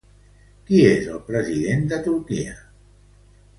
Qui és el president de Turquia?